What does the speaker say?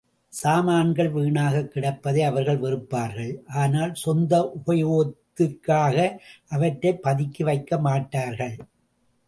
சாமான்கள் வீணாகக் கிடப்பதை அவர்கள் வெறுப்பார்கள் ஆனால், சொந்த உபயோகத்திற்காக அவற்றைப் பதுக்கி வைக்கமாட்டார் கள்.